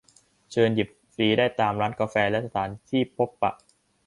เชิญหยิบฟรีได้ตามร้านกาแฟและสถานที่พบปะ